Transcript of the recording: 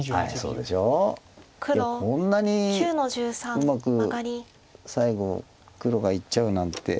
うまく最後黒がいっちゃうなんて。